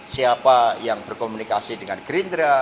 siapa yang berkomunikasi dengan gerindra